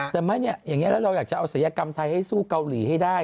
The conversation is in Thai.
แต่ไม่เนี่ยอย่างนี้แล้วเราอยากจะเอาศัยกรรมไทยให้สู้เกาหลีให้ได้